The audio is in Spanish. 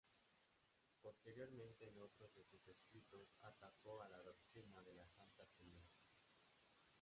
Posteriormente en otros de sus escritos atacó a la doctrina de la Santa Trinidad.